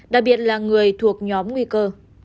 đặc biệt là người thuộc nhóm nguy cơ